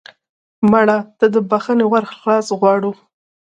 مړه ته د بښنې ور خلاص غواړو